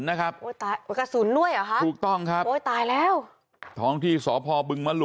นะครับกระสุนด้วยหรอถูกต้องครับตายแล้วท้องที่สพบึงมลู